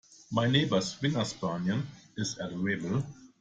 My neighbour’s springer spaniel is adorable